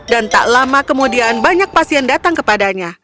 dan tak lama kemudian banyak pasien datang kepadanya